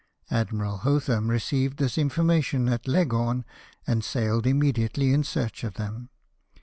Admiral Hotham received this information at Leg horn, and sailed immediately in search of them.